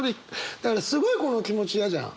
だからすごいこの気持ち嫌じゃん。